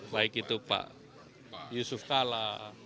baik itu pak yusuf kala